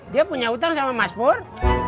dia punya hutang sama mas pur